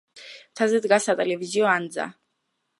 მთაზე დგას სატელევიზიო ანძა.